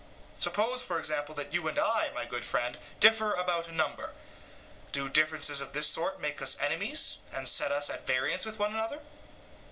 Suppose for example that you and I, my good friend, differ about a number; do differences of this sort make us enemies and set us at variance with one another?